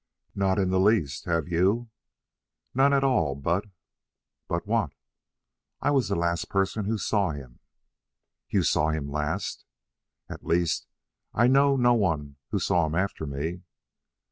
"Not in the least. Have you?" "None at all, but " "But what?" "I was the last person who saw him." "You saw him last!" "At least, I know no one who saw him after me."